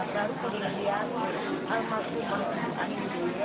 lalu kemudian masih perlu diperlukan di dunia